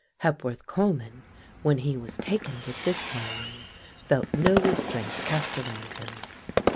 Hepworth Coleman, when he was taken with this longing, felt no restraint cast around him.